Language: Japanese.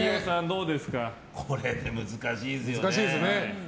これ、難しいですよね。